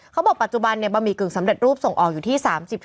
ปัจจุบันบะหมี่กึ่งสำเร็จรูปส่งออกอยู่ที่๓๔